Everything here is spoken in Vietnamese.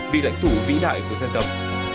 vị lãnh thủ vĩ đại của dân tộc